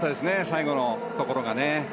最後のところがね。